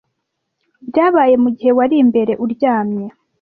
Byabaye mugihe wari imbere, uryamye,